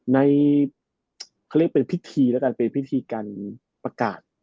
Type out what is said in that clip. ในเขาเรียกเป็นพิธีแล้วกันเป็นพิธีการประกาศ